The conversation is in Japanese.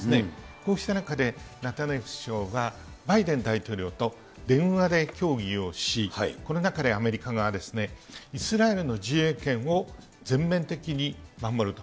こうした中で、ネタニヤフ首相が、バイデン大統領と電話で協議をし、この中でアメリカがイスラエルの自衛権を全面的に守ると。